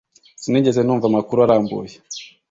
Sinigeze numva amakuru arambuye